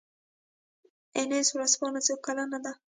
انیس ورځپاڼه څو کلنه ده؟